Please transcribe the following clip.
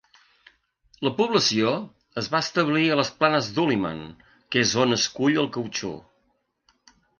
La població es va establir a les planes de Ulliman, que és on es cull el cautxú.